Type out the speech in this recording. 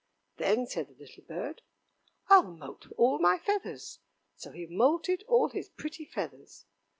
"Then," said the little bird, "I'll moult all my feathers." So he moulted all his pretty feathers.